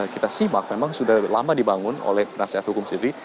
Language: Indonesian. kita simak memang sudah lama dibangun oleh penasihat hukum sendiri